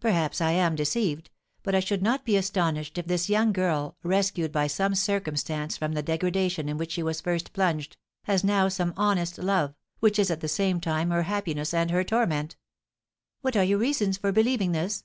"Perhaps I am deceived; but I should not be astonished if this young girl, rescued by some circumstance from the degradation in which she was first plunged, has now some honest love, which is at the same time her happiness and her torment." "What are your reasons for believing this?"